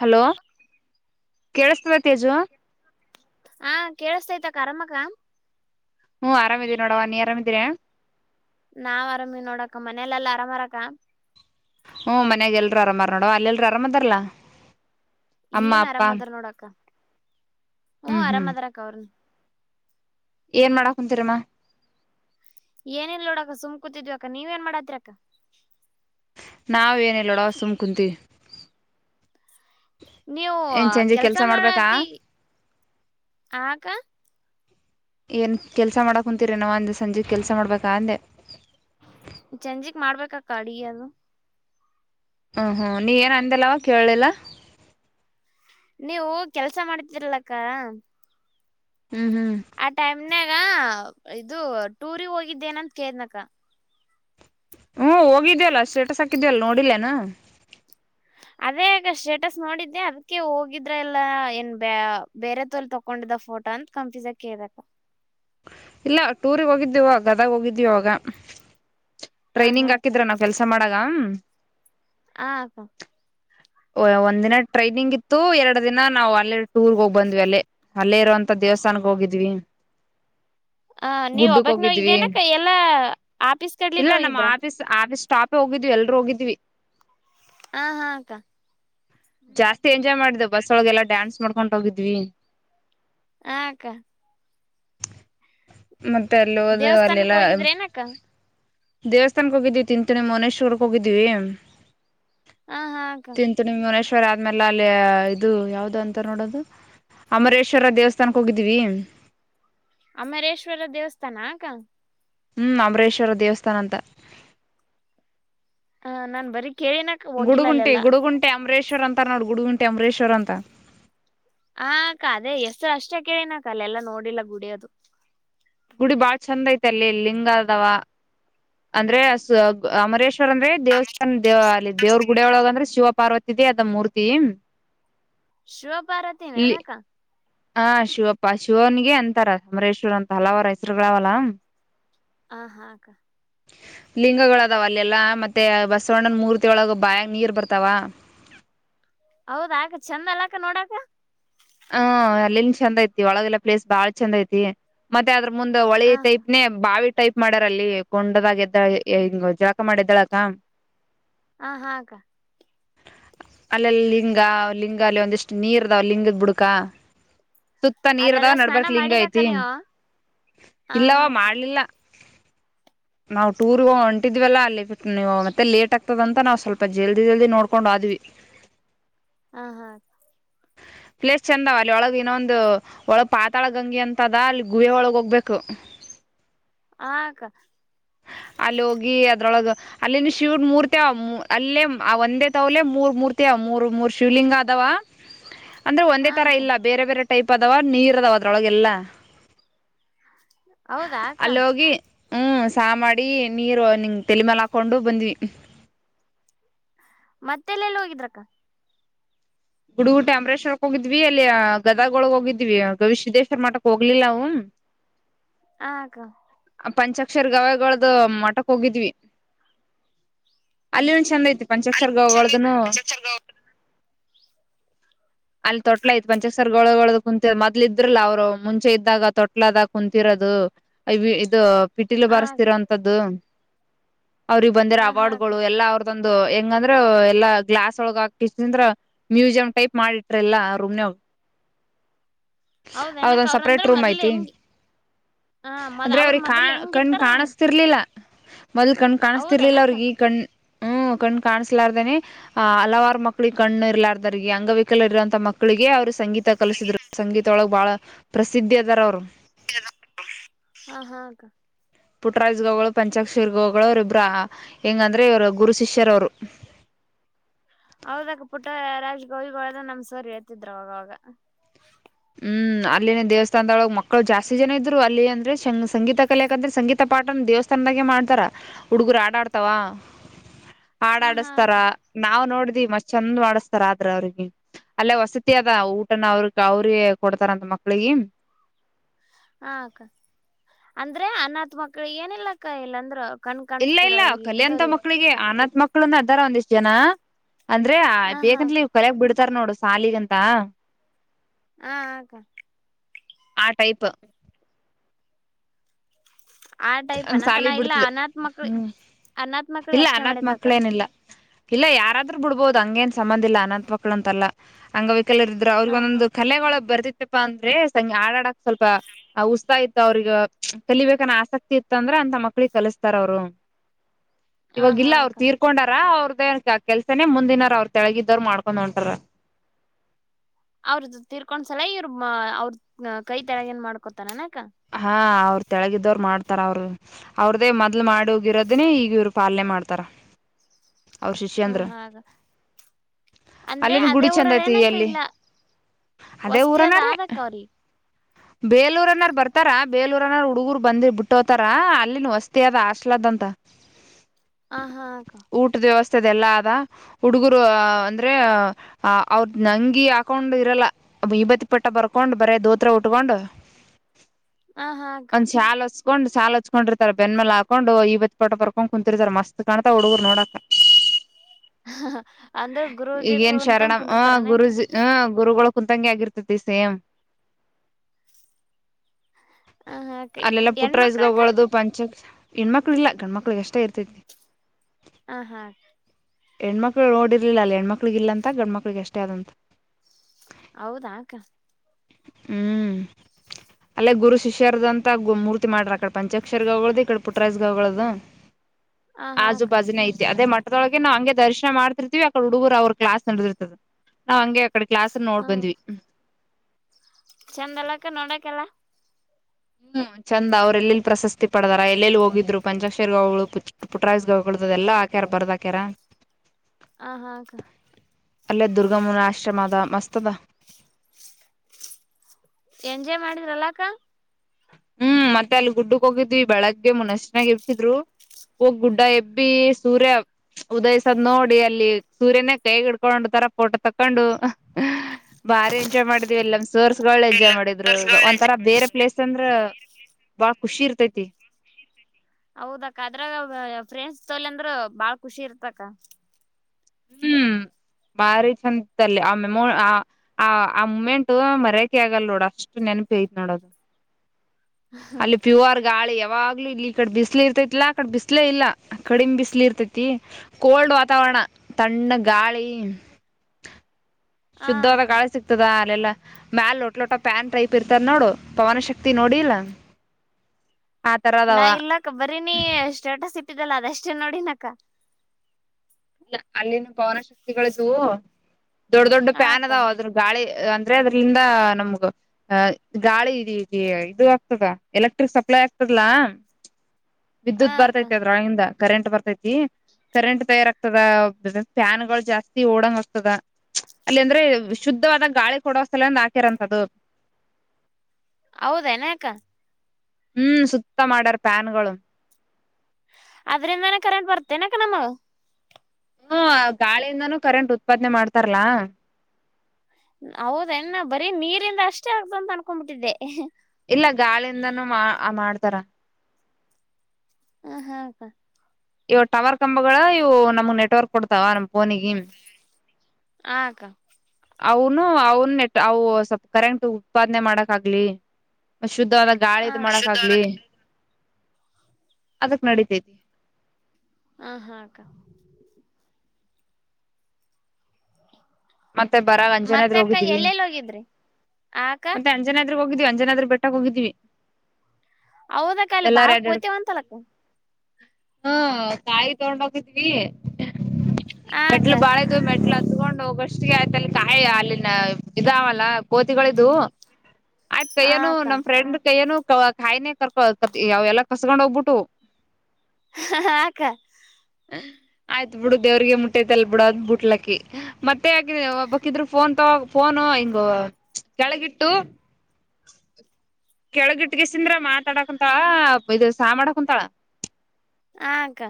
Hello ಕೆಲಸ್ತಿಲ್ವಾ ತೇಜು ಹಾ ಕೇಳಸ್ತೈತ ಆರಾಮ್ ಅಕ್ಕ ಆರಾಮ್ ಇದೀರಿ ನೋಡ ನೀವು ಆರಾಮ್ ಇದೀರಾ ನಾವ್ ಅರಾಮಿ ನೋಡಕ್ಕ ಮನೆಯಲೆೆಲ್ಲಾ ಆರಾಮ್ ಅದರಕ್ಕ ಹೂ ಮನ್ಯಾಗ ಎಲ್ರು ಆರಾಮಾರ ನೋಡವ ಅಲ್ಲಿ ಎಲ್ಲರೂ ಆರಾಮದಾರಲ್ಲ ಇಲ್ಲಿನ ಅರಾಮ್ ಅದಾರ ನೋಡ ಅಕ್ಕ ಹೂ ಹ್ಮ್ ಹ್ಮ್ ಅರಾಮ್ ಅದಾರಕ್ಕ ಅವ್ರು ಏನ್ ಮಾಡಾ ಕುಂತೀರಮ್ಮ ಏನಿಲ್ಲ ನೋಡಕ್ಕ ಸುಮ್ ಕೂತಿದ್ವಿ ಅಕ್ಕ ನೀವ ಏನ್ ಮಾಡಾತ್ರಿಕ್ಕ ನಾವೇಏನಲ್ಲೋಡ ಸುಮ್ ಕುಂತೀ ನೀವು ಕೆಲ್ಸ ಮಾಡತಿ ಆ ಅಕ್ಕ ಏನ್ ಕೆಲ್ಸ ಮಾಡ ಕುಂತೀರ ನಾವ್ ಅಂದ ಸಂಜೆ ಕೆಲಸ ಮಾಡ್ಬೇಕ ಅಂದೆ ಮಾಡ್ಬೇಕ್ಕ ಅಡಿಗೆ ಅದು ಹಾ ಹಾ ನೀ ಏನ್ ಅಂದಿಲ್ಲ ಕೇಳ್ಲಿಲ್ಲ ನೀವು ಕೆಲ್ಸ ಮಾಡ್ತೀರಲಕ್ಕ ಹೂ ಹೂ ಮನ್ಯಾಗ ಇದು ಟೂರಿ ಹೋಗಿದ್ದೇನಂತ ಕೇೇಳನಕ್ಕ ಹೂ ಹೋಗಿದ್ಯಲ್ಲ ಸ್ಟೇಟಸ್ ಹಾಕಿದ್ಯಲ್ಲ ನೋಡಿಲ್ಲೇನ ಅದೇಗ ಸ್ಟೇಟಸ್ ನೋಡಿದ್ದೆ ಅದಕ್ಕೆ ಹೋಗಿದ್ರ ಎಲ್ಲಾ ಏನ್ ಬ ಬೇರೆ ತೋಲ್ ತಕೊಂಡಿದ್ದ ಫೋಟೋ ಅಂತ ಕಂಫ್ಯೂಸ್ ಆ ಕೇಳ್ದಕ್ ಇಲ್ಲ ಟೂರಿಗೆ ಹೋಗಿದ್ದೀವ ಗದಾಗ ಹೋಗಿದ್ಿವವಾಗ ಹ ಹಾ ಟ್ರೈನಿಂಗ್ ಅಕ್ಕ ಹಾಕಿದ್ರ ನಾವ್ ಕೆಲ್ಸ ಮಾಡಾಗ ಹ ಅಕ್ಕ ಒಂದ ದಿನ ಟ್ರೈನಿಂಗ್ ಇತ್ತು ಎರಡು ದಿನ ನಾವು ಅಲ್ಲೇ ಟೂರ್ಗೆ ಹೋಗ್ ಬಂದ್ವಿ ಅಲ್ಲೇ ಅಲ್ಲೇ ಇರೋಂತ ದೇವಸ್ಥಾನಕ್ ಹೋಗಿದ್ವಿ ಹ ನೀವ್ ಗುಡ್ಡಕ್ ಒಬ್ಬಕ್ನ ಹೋಗಿದ್ವಿ ಹೋಗಿದ್ದೇನಕ್ಕ ಎಲ್ಲಾ ಆಫೀಸ್ ಕಡ್ಲಿದ ಹೋಗಿದ್ರ ತಾಪೆ ಹೋಗಿದ್ವಿ ಎಲ್ರೂ ಹೋಗಿದ್ವಿ ಹ ಹಾ ಅಕ್ಕ ಜಾಸ್ತಿ ಎಂಜಾಯ್ ಮಾಡಿದ್ದು ಬಸ್ ಒಳಗೆಲ್ಲಾ ಡ್ಯಾನ್ಸ್ ನೋಡ್ಕೊಂಡ ಹೋಗಿದ್ವಿ ಹಾ ಅಕ್ಕ ಮತ್ತೆ ಅಲ್ಲಿ ಹೋದು ದೇವಸ್ಥಾನಕ್ ಅಲ್ಲೆಲ್ಲ ಹೋಗಿದ್ರೇನಕ್ಕ ದೇವಸ್ಥಾನಕ್ಕೆ ಹೋಗಿದೀವಿ ತಿಂತಾನಿ ಮನೇಶ್ವರ್ಕ್ ಹೋಗಿದೀವಿ ಹಾ ಹಾ ತಿಂತೀನಿ ್ವ ಆದ್ಮೇಲೆ ಅಲ್ಲಿ ಇದು ಯಾವ್ದ ಅಂತ ನೋಡೋದು ಅಮರೇಶ್ವರ ದೇವಸ್ಥಾನಕ್ಕೆ ಹೋಗಿದೀವಿ ಅಮರೇಶ್ವರ ದೇವಸ್ಥಾನಕ್ಕ ಹೂ ಅಂಬರೇಶ್ವರ ದೇವಸ್ಥಾನ ಅಂತ ಹ ನಾನ್ ಬರೀ ಕೇಳಿನಕ ಹೋಗಿಲ್ಲ ಗುಡುಗುಂಟಿ ಅಲ್ಲೆಲ್ಲಾ ಗುಡುಗುಂಟಿ ಅಂಬರೀೇಶ್ ್ವರ್ ಅಂತ ನೋ ಗುಡುಗಂಟೆ ಅಂಬರೇಶ್ವರ್ ಅಂತ ಹ ಅಕ್ಕ ಅದೇ ಹೆಸ್ರು ಅಷ್ಟೇ ಕೇಳಿನಕ್ಕಲ್ಲ ಎಲ್ಲ ನೋಡಿಲ್ಲ ಗುಡಿಯೋದು ಗುಡಿ ಬಾಳ್ ಚಂದ ಐತ ಅಲ್ಲಿ ಲಿಂಗ ಆದವ ಅಂದ್ರೆ ಅ ಅಮರೇಶ್ವರ್ ಅಂದ್ರೆ ದೇವಸ್ಥಾನ ದೇವ ಅಲ್ಲಿ ದೇವ್ರ ಗುಡಿಯ ಒಳಗೆ ಅಂದ್ರೆ ಶಿವ ಪಾರ್ವತಿ ಇದೇ ಅದ ಮೂರ್ತಿ ಶವಭಾರತಿ ನನಕ ಹಾ ಶಿವಪ್ಪಾ ಶಿವನಿಗೆ ಅಂತಾರ ಅರೇಶ್ವರ್ ಅಂತ ಹಲವಾರ ಹೆಸ್ರುಗಳಾವಲ್ಲ ಹ ಹಾ ಅಕ್ಕ ಲಿಂಗಗಳದಾವ ಅಲ್ಲೆಲ್ಲಾ ಮತ್ತೆ ಬಸವಣ್ಣನ ಮೂರ್ತಿೊಳಗ ಬ್ಯ ನೀರ್ ಬರ್ತಾವ ಹೌದಾಕ ಚಂದ ಅಲ್ಲಾಕ ನೋಡಾಕ ಹ ಅಲ್ಲಿಲ್ಲಿ ಚಂದ ಐತಿ ಒಳಗೆಲ್ಲ ಪ್ಲೇಸ್ ಬಾಳ್ ಚಂದ ಐತಿ ಮತ್ತ ಅದ್ರ ಮುಂದ ಒಳೆ ಹ ಟೈಪ್ ನೇ ಬಾವಿ ಟೈಪ್ ಮಾಡಾರಲ್ಲಿ ಕೊಂಡದಾಗ ಎದ್ದಾಳ ಹಿಂಗ ಜಾಕ ಮಾಡದಾಳಕ್ಕ ಹ ಹಾಗ ಅಲ್ಲೆಲ್ಲಿ ಲಿಂಗ ಲಿಂಗ ಅಲ್ಲಿ ಒಂದಿಷ್ಟು ನೀರ್ದಾವ ಲಿಂಗದ ಬಿಡ ಕ್ಕಾ ಸುತ್ತ ನೀರ್ ಅಲ್ಲೆಲ್ಲಾ ಅದಾವ ಸ್ನಾನ ನಡ್ಬಕ್ ಲಿಂಗ ಮಾಡಿರಕ್ಕ ಐತಿ ನೀವು ಹ ಇಲ್ಲವ ಹಾ ಅಕ್ಕ ಮಾಡ್ಲಿಲ್ಲ ನಾವು ಟೂರ್ಗೆ ಹೊಂಟಿದ್ವಲ್ಲ ಅಲ್ಲಿಟ್ಟ ನೀವು ಮತ್ತೆ ಲೇಟ್ ಆಗ್ತದಂತ ನಾವು ಸ್ವಲ್ಪ ಜಲ್ದಿ ಜಲ್ದಿ ನೋಡ್ಕೊಂಡು್ವಿ ಹ ಹಾ ಪ್ಲೇಸ್ ಚೆಂದವ ಅಲ್ಲಿ ಒಳಗ ಇನ್ನೊಂದು ಒಳಗ್ ಪಾತಾಳ ಗಂಗೆಿ ಅಂತದ ಅಲ್ಲಿ ಗುಹೆ ಒಳಗ ಹೋಗ್ಬೇಕು ಹಕ್ಕ ಅಲ್ಲಿ ಹೋಗಿ ಅದ್ರೊಳಗ ಅಲ್ಲಿನ ಶಿವನ್ ಮೂರ್ತಿವ ಅಲ್ಲೇ ಆ ಒಂದೇ ತವಲೆ ಮೂರ್ ಮೂರ್ತಿ ಅವ ಮೂರ್ ಮೂರ್ ಶಿವ್ಲಿಂಗ ಅದಾವ ಅಂದ್ರೆ ಒಂದೇ ಹಾ ತರ ಅಕ್ಕ ಇಲ್ಲ ಬೇರೆ ಬೇರೆ ಟೈಪ್ ಅದಾವ ನೀರ್ ಅದಾವ ಅದ್ರೊಳಗೆ ಎಲ್ಲ ಹೌದಾ ಅಕ್ಕ ಹೋಗಿ ಹ್ಮ್ ಸಾ ಮಾಡಿ ನೀರು ನಿಂಗ ತಲೆಮೇಾಲ ಹಾಕೊಂಡು ಬಂದ್ವಿ ಮತ್ತೆಲ್ಲ ಎಲ್ಲಿ ಹೋಗಿದ್ರಕ್ಕ ಗುಡುಗುಂಟೆ ಅಂಬರೇಶ್ವರಕ್ ಹೋಗಿದ್ವಿ ಅಲ್ಲಿ ಗದಗೊಳ ಹೋಗಿದ್ವಿ ಗವಿ ಸಿದ್ದೇಶ್ವರ ಮಠಕ್ಕೆ ಹೋಗ್ಲಿಲ್ಲ ಹ ಹಅಕ್ಕಾ ಪಂಚಾಕ್ಷರ ಗವಯಿಗಳದ ಮಠಕ್ ಹೋಗಿದ್ವಿ ಅಲ್ಲಿ ಚೆಂದ ಐ ಅಲ್ಲಿ ಪಂಚಾಕ್ಷರಿ ಗವಾಯಿ ಗಳದ್ದುನು ಚಂದ ಚರ್ಗ ಅಲ್ಲಿ ತೊಟ್ಲ ಆಯ್ತು ಪಂಚಕ್ಷೆರಿ ಗವಾಯಿಗಳದೊಳದ ಕುಂತ ಮೊದ್ಲು ಇದ್ರಲ್ಲ ಅವ್ರು ಮುಂಚೆ ಇದ್ದಾಗ ತೊಟ್ಲಆದ ಕುಂತಿರೋದು ಅಐ ಇದು ಪಿಟಿಲು ಆ ಅಕ್ಕ ಬಾರಸ್ತಿರೋಂತದ್ದು ಅವ್ರಿಗೆ ಬಂದಿರ ಆ ಹಾ ಅಕ್ಕ ಅವಾರ್ಡ್ಗಳು ಎಲ್ಲ ಅವ್ರದ ಒಂದ್ ಒಂದು ಹೆಂಗಂದ್ರ ಎಲ್ಲಾ ಗ್ಲಾಸ್ ಒಳಗ ಹಾಕಿಸೆಸಿಂದ್ರ ದ ಮ್ಯೂಸಿಯಂ ಟೈಪ್ ಮಾಡಿಟ್ರಲ್ಲಾ ರೂಮ್ ನ ಹೌದ ಏನ್ ಅಕ್ಕಾ ಅವ್ರಂದ್ರ ಮೊದ್ಲ್ ಹೆಂಗಿ ಅಂದ್ರೆ ಅವ್ರಿಗೆ ಕಾ ಕಣ್ ಕಾಣಸ್ತಿರ್ಲಿಲ್ಲ ಮೊದ್ಲು ಕಣ್ ಕಾಣಿಸಸ್ತಿರ್ಲಿಲ್ಲ ಹೌದೇನಕ್ಕ ಅವ್ರಿಗೆ ಈ ಕಣ್ ಹ್ಮ್ ಕಣ್ಣು ಕಾಣಸ್ಲಾರ್ದೇನೆ ಆ ಹಲವಾರು ಮಕ್ಳಿಗೆ ಕಣ್ಣು ಇರ್ಲಾರದರಿಗೆ ಅಂಗವಿಕಲ ಇರಂತ ಮಕ್ಕಳಿಗೆ ಅವ್ರ ಸಂಗೀತ ಕಲಿಸಿದ್ರು ಸಂಗೀತ ಒಳಗ ಬಾಳ ಪ್ರಸಿದ್ಧಿ ಅದಾರ ಅವರು ಹ ಹಾ ಅಕ್ಕಾ ಪುಟ್ಟರಾಜ್ ಗವಾಯಿಗಳು ಪಂಚಾಕ್ಷರ್ ಗವಯಗಳು ಅವ್ರ ಇಬ್ಬ್ರ ಹೆಂಗಂದ್ರೆ ಇವರು ಗುರು ಶಿಷ್ಯರ ಅವರು ಹೌದಕ್ಕ ಪುಟ್ಟ ರಾಜ್ ಗೌವಾಯಿಗಳದ ನಮ್ ಸರ್ ಹೇಳತಿದ್ರ ಅವಾಗವಾಗ ಹ್ಮ್ ಅಲ್ಲಿನೇ ದೇವಸ್ಥಾನದೊಳಗ ಮಕ್ಕಳು ಜಾಸ್ತಿ ಜನ ಇದ್ರು ಅಲ್ಲಿ ಅಂದ್ರೆ ಶ್ ಸಂಗೀತ ಕಲೆಕಂದ್ರೆ ಸಂಗೀತ ಪಾಠನ ದೇವಸ್ಥಾನ್ದಾಗೆ ಮಾಡ್ತಾರ ಹುಡುಗರು ಆಡ ಆಡ್ತಾವ ಆಡ ಹಾ ಹಾ ಆಡಸ್ತಾರ ಅಕ್ಕ ನಾವು ನೋಡ ಮತ್ ಚಂದ್ ಮಾಡಿಸ್ತಾರ ಆದ್ರ ಅವ್ರಿಗೆ ಅಲ್ಲೇ ವಸತಿ ಅದ ಊಟನ ಅವ್ರ ಅವ್ರ ಗಿ ಕೊಡ್ತಾರ ಅಂತ ಮಕ್ಕಳಿಗೆ ಹ ಅಕ್ಕ ಅಂದ್ರೆ ಅನಾತ್ ಮಕ್ಳಿಗೆ ಏನಿಲ್ಲಕ್ಕ ಇಲ್ಲಾಂದ್ರ ಕಣ್ ಇಲ್ಲ ಇಲ್ಲ ಕಾಣಿಸ್ತಿರೋ್ರಿಗೆ ಕಲಿಯುವಂತ ಇಂತವ್ರಗ ಮಕ್ಕಳಿಗೆ ಅನಾತ ಮ್ ಮಕ್ಕಳನ ಇರ್ತಾರ ಒಂದಿಷ್ಟು ಜನ ಅಂದ್ರೆ ಆ ಹ ಹಾ ಬೇಕಂದ್ರೆ ಅಕ್ಕ ನೀವು ಕಲಿಯಾಕ ಬಿಡ್ತ ಅಚ್ಚತರ ನೋಡು ಸಾಲಿಗಂತ ಹಾ ಹಾ ಆಕ್ಕ ಆ ಟೈಪ್ ಆ ಟೈಪ್ ಹಂಗ್ ಅನ ಅಕ ನಾ ಸಾಲಿಗ್ ಇಲ್ಲ ಬಿಡ್ತಿದ್ರ ಅನಾಥ ಮಕ್ಳಿಗ್ ಹ್ಮ್ ಅನಾಥ ಮಕ್ಳಿಗ್ ಇಲ್ಲ ಅಷ್ಟೇ ಅನಾಥ್ ಮಾಡಿದ್ದಕ್ಕ ಮಕ್ಳೇನಿಲ್ಲ ಇಲ್ಲ ಯಾರಾದ್ರೂ ಬಿಡ್ಬಹುದು ಹಂಗೇನ್ ಸಂಬಂಧ ಇಲ್ಲ ಅನಾತ್ ಮಕ್ಕಳು ಅಂತಲ್ಲ ಅಂಗವಿಕಲ ವಿಕಲರು ಇದ್ರ ಹ ಅವ್ರಿಗ್ ಹಾ ಒಂದೊಂದು ಕಲೆಗಳು ಬರ್ತಿತಿ ಹೆಂಗಪ್ಪಾ ಅಂದ್ರೆ ಸಂಗ್ ಆಡಆಡಕ್ ಸ್ವಲ್ಪ ಉಸತಾಹಾ ಇತ್ತು ಅವ್ರಿಗೆ ಕಲಿಬೇಕನ್ನ ಆಸಕ್ತಿ ಇತ್ತ ಇತ್ತಂದ್ರ ಅಂತ ಮಕ್ಳಿಗೆ ಕಲಿಸತಾರ ಅವರು ಹ ಹಾ ಇವಾಗಲ್ಲ ಅವರು ಅಕ್ಕ ತೀರ್ಕೊಂಡಾರ ಅವರು ಕೆಲ್ಸನೇ ಮುಂದಿನಾರ ಅವ್ರು ತೆಳಗಿದವ್ರು ಮಾಡ್ಕೊಂಡ್ ಹೊಂಟಾರ ಅವ್ರದ ತೀರ್ಕೊಂಡ್ ಸಲ ಇವ್ರ ಅವ್ರ ಕೈ ತರಗ ಏನ್ ಮಾಡ್ಕೊತಾರ ಅನಕ ಹಾ ಅವ್ರ ತೆಳಗಿದ್ದವರು ಮಾಡ್ತಾರ ಅವರು ಅವ್ರ್ದೇ ಮೊದ್ಲು ಮಾಡ ಹೋಗಿರೋದನೇ ಈಗ ಇವ್ರು ಪಾಲನೆ ಮಾಡ್ತಾರ ಅವ್ರ ಹಾ ಶಿಷ್ಯಂದ್ರ ಹಾಗ ಅಂದ್ರೆ ಅಲ್ಲಿನ ಗುಡಿ ಅದೇ ಚಂದ ಊರರ ಐತಿ ಏನಕ್ಕ ಅಲ್ಲಿ ಇಲ್ಲ ವಸ್ತಿ ಅದ ಆದಕ್ಕ ಅವ್ರಿ ಬೇಲೂರನ್ನಾರ ಬರ್ತಾರೆ ಹತಾರ ಬೇಲೂರ್ನೋ್ ಹುಡುಗರ್ ಬಂದಿ ಬಿಟ್ಟೋತಾರ ಅಲ್ಲಿನ ವಸ್ತಿ ಅದ ಆಸ್ಲದ ಅಂತ ಆ ಹಾಕ ಆತದೆ ಎಲ್ಲಾ ಅದ ಹುಡುಗರು ಅಂದ್ರೆ ಅವ್ರ ನಂಗಿ ಹಾಕೊಂಡ್ ಇರಲ್ಲ ಯುವತಿ ಪಟ್ಟ ಬರ್ಕೊಂಡ್ ಬರೇ ದೋತ್ರ ಉಟ್ಕೊಂಡು ಆ ಹ ಆಗ ಹಕೊಂಡ್ ಸಾಲ ಹಚ್ಕೊಂಡಿರ್ತಾರ ಬೆಂದನ್ ಮೇಲೆ ಹಾಕೊಂಡು ಇವತ್ತು ಪಟ ಬರ್ಕೊಂಡ್ ಕುಂತಿರ್ತಾರ ಮಸ್ತ್ ಕಾಣ್ತಾ ಹುಡುಗರು ನೋಡಾಕ್ ಅಂದ್ರೆ ಗುರುಜಿ ಈಗೇನ್ ಶರಣ ಅಂತಂಗ ಕುಂದ್ರ ಹ ತರನಯಕ ಗುರುಜಿ ಹ ಗುರುಗಳು ಕುಂತಂಗೆ ಆಗಿರ್ತತಿ ಸೇಮ್ ಹ ಹಾ ಅಕ್ಕ ಅಲ್ಲೆಲ್ಲ ಪುಟ್ರಾಯಸ್ಗ ಹೆಣ್ಮಕ್ಳಕ್ಕ ಒಬಳ್ದ ಪಂಚ ಹೆಣ್ಮಕ್ಳು ಇಲ್ಲ ಗಣ್ಮಕ್ಳಿಗೆ ಎಷ್ಟ ಇರ್ತೈತಿತಿ ಹ ಹಾ ಹೆಣ್ಮಕ್ಳು ನೋಡಿರ್ಲಿಲ್ಲ ಅಲ್ಲಿ ಹೆಣ್ಮಕ್ಳಿಗ್ ಇಲ್ಲಂತ ಗಂಡ್ಮಕ್ಳಿಗೆ ಅಷ್ಟೇ ಆದಂತ ಹೌದಾಕ್ಕ ಹ್ಮ್ ಅಲ್ಲೇ ಗುರು ಶಿಷ್ಯರದ ಅಂತ ಗ ಮೂರ್ತಿ ಮಾಡ್ರ ಅಕಡೆ ಪಂಚಾಕ್ಷರ ಗವುಗಳ್ದ ಈ ಕಡೆ ಪುಟ್ಟರಾಜ್ ಗವುಗಳ್ದ ಹ ಹಾ ಆಜು ಅಕ್ಕ ಬಾಜಿನ ಐತೆ ಅದೇ ಮ ಅದೊಳಗೆಾವವು ಹಂಗೆ ದರ್ಶನ ಮಾಡ್ತಿರ್ತಿವಿ ಅಕ್ಕಡೆ ಹುಡುಗರು ಅವ್ರ ಕ್ಲಸ್ ನಡೆದಿರ್ತದ ನಾವವು ಹಂಗೆ ಕಡೆ ಕ್ಲಾಸ್ ನೋಡ್ ಬಂದ್ವಿ ಚೆಂದ ಅಲಕ್ಕ ನೋಡಕಲ್ಲ ಹ್ಮ್ ಚಂದ ಅವ್ರೆಲ್ಲಿೆಲ್ಲಿ ಪ್ರಶಸ್ತಿ ಪಡದಾರ ಎಲ್ಲೆಲ್ಲಿ ಹೋಗಿದ್ರು ಪಂಚಾಕ್ಷರ್ ಗಾವು್ಗಳು ಪು ಪುಟರಾಯ್ ಗಾವು್ಗಳ್ದದೆಲ್ಲಾ ಹಾಕ್ಯಾರ ಬರ್ದಾಕ್ಯಾರ ಹ ಹಾಕ್ಕ ಅಲ್ಲೇ ದುರ್ಗಮ್ಮುನ ಆಶ್ರಮದ ಮಸ್ತದ ಎಂಜಾಯ್ ಮಾಡಿದ್ರಲ್ಲ ಅಕ್ಕ ಹ್ಮ್ ಮತ್ತೆ ಅಲ್ಲಿ ಗುಡ್ಡಕ್ ಹೋಗಿದ್ವಿ ಬೆಳಗ್ಗೆ ಮುನಶನಾಗ ಎಬ್ಸಿದ್ರು ಹೋಗಿ ಗುಡ್ಡ ಎಬ್ಬಿ ಸೂರ್ಯ ಉದಯ್ಸದ್ ನೋಡಿ ಅಲ್ಲಿ ಸೂರ್ಯನೇ ಕೈಗಿಡ್ಕೊಂಡ ತರ ಫೋಟೋ ತಕೊಂಡು ಬಾರಿ ಎಂಜಾಯ್ ಮಾಡಿದ್ವಿ ಎಲ್ಲ ಸೋರ್ಸ್ಗಳು ಎಂಜಾಯ್ ಮಾಡಿದ್ರು ಒಂರ ಬೇರೆ ಪಲೇಸ್ ಬಾಳ ಖುಷಿ ಇರ್ತೈತಿ ಹೌದಕ್ಕ ಅದ್ರಾಗ ಫ್ರೆಂಡ್ಸ್ ತೊಲೆ ಅಂದ್ರರು ಬಾಳ ಖುಷಿ ಇರ್ತಕ್ಕ ಹ್ಮ್ ಭಾರಿ ಚಂದತ್ ಅಲ್ಲಿ ಆ ಮೆಮೋ ಆ ಆ ಮುಮೆಂಟ್ ಮರ್ಯಕೆ ಆಗಲ್ ನೋಡ ಅಷ್ಟು ನೆನಪಿ ಐತ್ ನೋಡೋದು ಅಲ್ಲಿ ಹ ಪ್ಯೂರ್ ಗಾಳಿ ಯಾವಾಗ ಆ ಇಲ್ಲಿ ಈ ಕಡೆ ಬಿಸ್ಲಿ ಇರ್ತೈತಿಲ್ಲಾ ಆ ಕಡೆ ಬಿಸ್ಲೇ ಇಲ್ಲ ಕಡಿಮ್ ಬಿಸ್ಲಿ ಇರ್ತೈತಿ ಕೋಲ್ಡ್ ವಾತಾವರಣ ತಣ್ಣ ಗಾಳಿ ಶುದ್ಧವಾದ ಅಕ್ಕ ಕಾಳೆ ಸಿಗ್ತದ ಮ್ಯಾಲ ಒೊಟ್ ಲೊಟ ಪ್ಯಾನ್ ಟೈಪ್ ಇರ್ತಾರ ನೋಡು ಪವನ ಶಕ್ತಿ ನೋಡಿ ಇಲ್ಲ ನಾ ಇಲ್ಲಕ್ ಬರೀನಿ ಸ್ಟೇಟಸ್ ಇ ಇಟ್ಟಿದಲ್ಲ ಅದಷ್ಟೇ ನೋಡಿನಕ್ಕ ಅಲ್ಲಿನ ಪವನ ಶಕ್ತಿಗಳ್ದವು ದೊಡ್ಡ ದೊಡ್ ಹ ಫ್ಯಾನ್ ಅಕ್ಕ ಅದಾವ ಅದ್ರ ಗಾಳಿ ಅ ಆದ್ರೆ ಅದ್ರಂದ ನಮ್ಗ ಹ ಗಾಳಿ ಇದ ಇದು ಆಗ್ತದ ಎಲೆಕ್ಟ್ರಿಕ್ ಸಪ್ಲೈ ಆಗ್ತದಲಾ ಹ ವಿದ್ಯುತ್ ಅಕ್ಕ ಬರ್ತೈತೆ ಆದ್ರೂ ಒಳಗಿಂದ ಕರೆಂಟ್ ಬರ್ತೈತಿ ಕರೆಂಟ್ ತಯಾರ ಆತದ ಫ್ಯಾನ್ ಗಳು ಜಾಸ್ತಿ ಓಡಂಗ ಆಗತದ ಅಲ್ಲಿ ಅಂದ್ರೆ ಶುದ್ಧವಾದಾಗ ಗಾಳಿ ಕೊಡೋಸ್ತಲಂದ ಹಾಕಿರಂತದು ಹೌದ ಏನ ಅಕ್ಕ ಹ್ಮ್ ಸುುತ್ತ ಮಾಡರ್ ಫ್ಯಾನ್ಗಳು ಅದ್ರಿಂದಾನ ಕರೆಂಟ್ ಬರ್ತೇನಕ ನಮಗೆ ಹ್ಮ ಗಾಳಿಯಿಂದಾನೂ ಕರೆಂಟ್ ಉತ್ಪಾದನೆ ಮಾಡ್ತಾರಲ್ಲಾ ಹೌದೇನ್ನ ಬರೀ ನೀರಿಂದ ಅಷ್ಟೇ ಆಗ್ತ ಅಂತ ಅನ್ಕೊಬಿಟ್ಟಿದ್ದೆ ಇಲ್ಲ ಗಾಳಿಂದನೂ ಆ ಮಾಡ್ತಾರ ಹ್ಮ ಅಕ್ಕ ಇವ ಟವರ್ ಕಂಬಗಳ ಇವು ನಮಗ್ ನೆಟ್ವರ್ಕ್ ಕೊಡ್ತಾವ ನಮ್ ಫೋನಿಗೆ ಹ ಅಕ್ಕ ಅವನು ಅವನು ನೆಟ್ ಅವು ಸ್ವಲ್ಪ ಕರೆಂಟ್ ಉತ್ಪಾದನೆ ಮಾಡಕ್ ಆಗಲಿ ಶುದ್ಧವಾದ ಗಾಳಿ ಆ ಇದು ಮಾಡಕ್ ಆಗ್ಲಿ ಅಕ್ಕ ಅದಕ್ ನಡತೈತಿ ಹ ಹಾ ಅಕ್ಕ ಮತ್ತೆ ಬರಾಗ ಮತ್ತೆ ಅಂಜನಾದ್ರರು ಅಕ್ಕ ಹೋಗಿದ್ವಿ ಎಲ್ಲೆಲ್ಲಿ ಹೋಗಿದ್ರಿ ಆ ಅಕ್ಕ ಮತ್ತೆ ಅಂಜನದ ಟ್ರಿಪ್ [unintelligible] ಹೋಗಿದೀವಿ ಅಂಜನಾದ್ರಿ ಬೆಟ್ಟಕ್ ಹೋಗಿದೀವಿ. ಹೌದಕ್ಕ ಅಲ್ಲಿ ಬಾ ಕೋತೇವಂತಲಕ್ಕ ಹಾ ಕಾಯಿ ತೊಗೊಂಡೋಗಿದ್ವಿ. [unintelligible] ಆ ಅಕ್ಕ ಮೆಟ್ಲು ಬಾಳ ಇದ್ವು ಮೆಟ್ಲ್ ಹತ್ಕೊಂಡ್ ಹೋಗಷ್ಟ ಆಯ್ತ ಅಲ್ಲಿ ಕಾಯಿ ಅಲ್ಲಿ ಇದಾವಲ್ಲ ಕೋತಿಗಳಿದ್ವು [unintelligible] ಆಯ್ತ್ ಆ ಕೈಯ್ಯನು ಅಕ್ಕ ನಮ್ಮ ಫ್ರೆಂಡ್ ಕೈಯ್ಯನು [unintelligible] [unintelligible] ಕಾಯಿನೇ ಕರ್ಕೊಳ ಯಾವ ಎಲ್ಲ ಕಸ್ಕೊಂಡ್ ಹೋಗ್ಬಿಟ್ಟು ಹ ಹ ಅಕ್ಕ ಆಯ್ತು ಬಿಡು ದೇವ್ರಿಗೆ ಮುಟ್ಟೈತಲ್ [unintelligible] ಬಿಡು ಅಂದುಬಿಟ್ಲಕ್ಕಿ ಮತ್ತ ಒಬ್ಬೇಕಿ ಇದ್ರೂ [unintelligible] ಫೋನ್ ಫೋನು ಹಿಂಗ ಕೆಳಗಿಟ್ಟು ಕೆಳಗಿಟ್ಗೆಸಿಂದ್ರ ಮಾತಾಡಕ ಕುಂತಾಳ ಇ ಚಾಹ ಮಾಡಕ ಕುಂತಾಳ ಹ ಅಕ್ಕ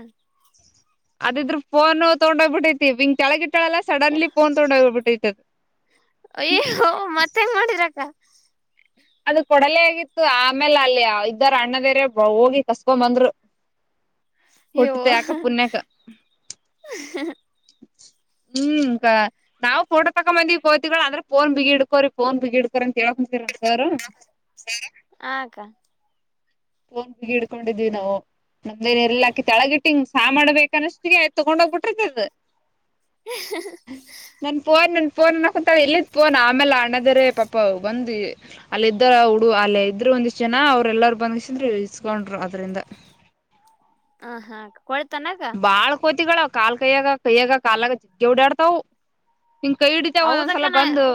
ಅದಿದ್ರರು ಫೋನ್ ತಗೊಂಡೋಗ್ಬಿಟ್ಟೈತಿ ಹಿಂಗ ತ [unintelligible] [unintelligible] ಸಡನ್ಳಿ ತೊಗೊಂಡ್ಹೋಗಿದೆ [unintelligible] ಅಯ್ಯೋ ಮತ್ತ ಹೆಂಗ್ ಮಾಡಿರಕ್ಕ ಅದು ಕೊಡಲೇ ಆಗಿತ್ತು ಆಮೇಲೆ ಅಲ್ಲಿ ಇದ್ದಾರ ಅಣ್ಣದೇರೆ ಹೋಗಿ ಕಸ್ಬೊ ಬಂದ್ರು [unintelligible] ವೋ ಕೊಟ್ಟಿತ್ತು ಯಾಕ ಪುಣ್ಯಕ [unintelligible] ಹ್ಮ್ ನಾವು ಫೋಟೋ ತಕೊ ಬಂದೀವಿ ಕೋತಿಗಳ ಅಂದ್ರೆ ಫೋನ್ ಬಿಗಿ ಹಿಡ್ಕೋರಿ ಫೋನ್ ಬಿಗಿ ಹಿಡ್ಕೋರಿ ಕೇಳಕಂತರ [unintelligible] ಸರ್ ಆ ಅಕ್ಕ ಫೋನ್ ಬಿಗಿ ಇಡ್ಕೊಂಡಿದೀವ್ ನಾವು ನಮ್ದೇನೆ ಎಲ್ಲಾಕಿ ತೆಳಗಿಟ್ಟಿ ಹಂಗ ಸಹ ಮಾಡ್ಬೇಕ ಅಷ್ಟ್ ತಗೊಂಡ್ ಹೋಗ್ಬಿಟ್ಟಿರ್ತದ [unintelligible] ನನ್ ಫೋನ್ ನನ್ [unintelligible] ಫೋನ್ ಕತ ಇಲ್ಲಿ ಫೋನ್ ಆಮೇಲೆ ಅಣ್ಣದರ ಪಾ ಬಂದ್ ಅಲ್ಲಿ ಇದ [unintelligible] ಹಡು ಅಲ್ಲಿ ಇದ್ರು ಒಂದಿಷ್ಟ್ ಜನ ಅವ್ರ ಎಲ್ಲರ ಬಂದ [unintelligible] ಇಸ್ಕೊಂಡ್ರು ಅದರಿಂದ ಹ ಹಾ ಕೊ [unintelligible] ತನಾಗ [unintelligible] ತಿಗಳ [unintelligible] ಕಾಲ್ ಕೈಯಾಗ ಕೈಯ್ಯಾಗ ಕಾಲಾಗ ಜಿಗ್ಗ ಓಡಾಡ್ತವು. ನಿಂಗ್ ಕೈ ಹಿಡಿತಾವ ಒಂದೊಂದ್ ಹೌದಕ್ಕ ಸಲ ನಾ ಬಂದು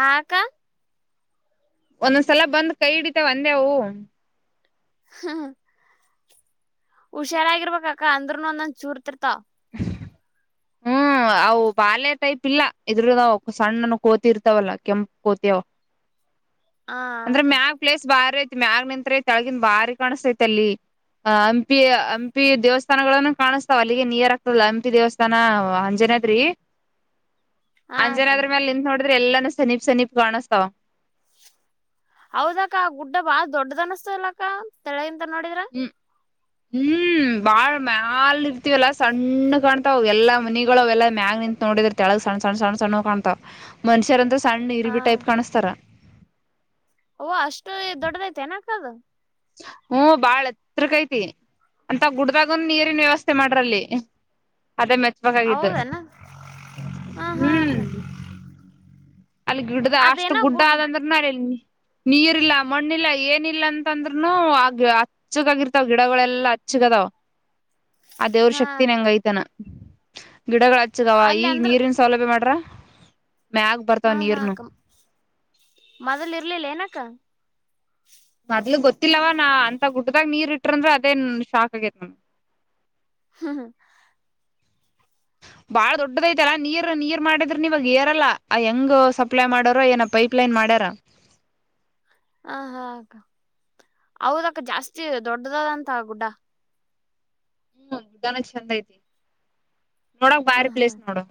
ಹಾ ಅಕ್ಕ ಒಂದೊಂದ್ಸಲ ಬಂದ್ ಕೈ ಹಿಡಿತಾವ ಅಂದೆ ಅವು. ಹ್ಮ ಹುಷಾರಾಗಿರ್ಬಕ್ಕ ಅಂದ್ರನು [unintelligible] ಚೂರ್ತಿರ್ತ ಹ್ಮ್ ಅವು ಬಾಲ್ಯ ಟೈಪ್ ಇಲ್ಲ ಇದ್ರದಾವ [unintelligible] ಸಣ್ಣನ ಕೋತಿ ಇರ್ತಾವಲ್ಲ ಕೆಂಪ ಕೋತಿ ಅವು ಆ ಅಂದ್ರೆ ಅಕ್ಕ ಮ್ಯಾಗ್ ಪ್ಲೇಸ್ ಬಾರೀ ಆಯ್ತ್ [unintelligible] ಮ್ಯಾಗ ನಿಂತ್ರೆ ಕೆಲಗಿನ [unintelligible] ಬಾರಿ ಕಾಣಿಸತೈತ್ ಅಲ್ಲಿ ಹಾ ಹಂಪಿ ಹಂಪಿ ದೇವಸ್ಥಾನಗಳನ್ನು ಕಾಣಿಸ್ತಾವ ಅಲ್ಲಿಗೆ ನಿಯರ್ ಹಂಪಿ ದೇವಸ್ಥಾನ ಅಂಜನಾದ್ರಿ ಆ ಅಕ್ಕ ಅಂಜನಾದ್ರಿ ಮೇಲೆ ನಿಂತ್ ನೋಡ ಆದ್ರೆ ಎಲ್ಲಾನು ಸೆನೀಪ್ ಸೆನೀಪ್ ಕಾಣಿಸ್ತಾವ ಹೌದಕ್ಕ ಗುಡ್ಡ ಬಾಳ ದೊಡ್ಡದ ಅನಸ್ತಲ ಅಕ್ಕ ತಿಂದ ನೋಡುದ್ರೆ ಹ್ಮ್ ಹ್ಮ್ ಬಾಳ ಮ್ಯಾಲ ಇರ್ತಿವಲ್ಲ ಸಣ್ಣ ಕಾಣ್ತಾವ ಎಲ್ಲಾ ಮನಿಗಳು ಅವ ಎಲ್ಲಾ ಮ್ಯಾಗ ನಿಂತತ್ ನೋಡಿದ್ರ ತಳಗ್ ಸಣ್ಣ ಸಣ್ಣ ಸಣ್ಣ ಸಣ್ಣ ಕಾಣ್ತಾವ್ ಮನುಷ್ಯರಂತೂ ಸಣ್ಣ ಆ ಇರುವೆ ಟೈಪ್ ಕಾಣುತ್ತಾರೆ ಕದ [unintelligible] ಹ್ಮ ಬಾಳ ಹತ್ರಿಕಐತಿ ಅಂತ ಗುಡ್ದಾಗಂದು ನೀರಿನ ವ್ಯವಸ್ಥೆ ಮಾಡ್ರಲ್ಲಿ ಅದೇ ಮೆಚ್ಬೇಕಾಗಿದ್ದು ಹೌದನ ಹಾ ಹಾ ಹ್ಮ್ ಅಕ್ಕ ಅಲ್ಲಿ ಗಿಡ್ಡ್ದ ಅಷ್ಟು ಅದೇನೋ ಗುಡ್ಡ ಗುಡ್ ಆದಂದ್ರೂ ನಡಲ್ ನೀ ನೀರಿಲ್ಲ ಮಣ್ಣಿಲ್ಲ ಏನಿಲ್ಲ ಅಂತ ಅಂದ್ರೂನು ಆ ಗಿ ಹಚ್ಚಕ್ಕಗರ್ತಾವ ಗಿಡಗಳೆಲ್ಲಾ ಹಚ್ಚಕ್ ಅದಾವ ಅ ದೇವ್ರ ಹಾ ಶಕ್ತಿ ನ ಅಕ್ಕ ಹೆಂಗೈತಾನ ಗಿಡಗಳು ಹಚ್ಚಗವ ಅಲ್ಲಿ ಈಗ ಅಂದ್ರ ನೀರಿನ್ ಸೌಲಭ್ಯ ಮಾಡ್ರ ಮ್ಯಾಗ ಹಾ ಬರ್ತಾವ ನೀರ್ನು ಹಾಕಮ್ಮ ಮೊದಲ್ರಲಿಲ್ಲ ಏನಕ್ಕ ಮೊದಲು ಗೊತ್ತಿಲ್ಲಲ್ವ ನಾ ಅಂತ ಗುಟ್ಟಿದಾಗ ನೀರ್ ಇಟ್ಟ್ರಂದ್ರ ಅದೇ ಶಾಕ್ ಆಗೇತ್ ನಮ [unintelligible] ಬಾಳ ದೊಡ್ಡದ ಐತಲ್ಲ ನೀರ್ ನೀರ್ ಮಾಡಿದ್ರ ನೀವಾಗ ಏರಲ್ಲ ಆ ಹೆಂಗ ಸಪ್ಲೈ ಮಾಡ್ಯಾರ ಏನ ಪೈಪ್ಲೈನ್ ಮಾಡ್ಯಾರ ಹ ಹಾ ಅಕ್ಕ ಹೌದಕ್ಕ ಜಾಸ್ತಿ ದೊಡ್ಡದದಂತ ಗುಡ್ಡ ಹ್ಮ್ ಉದಾನ ಚೆಂದ ಐತಿ ನೋಡಕ್ ಬಾರಿ ಹ್ಮ್ ಹ್ಮ್ ಪ್ಲೇಸ್ ನೋಡೋ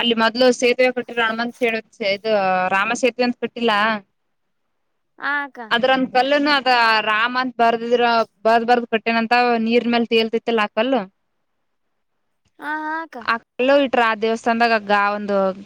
ಅಲ್ಲಿ ಮೊದ್ಲು ಸೇತುವೆ ಕೊಟ್ಟಿ್ರ ಅಣಮಂತ ಹೇಳ ಇದು ರಾಮ ಸೇತುವೆ ಅಂತ ಕೊಟ್ಟಿಲ್ಲ ಆ ಅಕ್ಕ ಅದ್ರಂದ ಕಲ್ಲನ ರಾಮ್ ಅಂತ ಬರ್ದಿದ್ರ ಬರ್ದ್ ಬರ್ದ ಕಟ್ಟೇನಂತ ನೀರ್ ಮೇಲ್ ತೇಳ್ತ ಲಾಕಲ್ಲ ಹ ಹಾ ಅಕ್ಕ [unintelligible] ದೇವಸ್ಥಾನದಾಗಗ್ಗ ಒಂದು